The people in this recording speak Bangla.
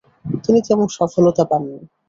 তিনি তেমন সফলতা পাননি।